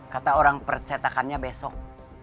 kata orang persetakannya besok